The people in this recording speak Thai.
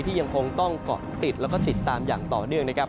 ยังคงต้องเกาะติดแล้วก็ติดตามอย่างต่อเนื่องนะครับ